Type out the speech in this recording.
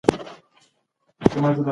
هلک باید د کوټې ور په ارامه خلاص کړی وای.